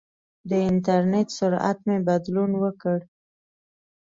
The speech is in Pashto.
د انټرنېټ سرعت مې بدلون وکړ.